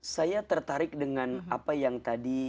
saya tertarik dengan apa yang tadi